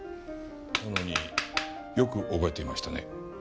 なのによく覚えていましたね。